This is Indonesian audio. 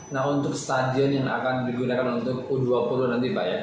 nah untuk stadion yang akan digunakan untuk u dua puluh nanti pak ya